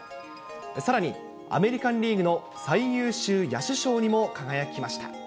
さらに、アメリカンリーグの最優秀野手賞にも輝きました。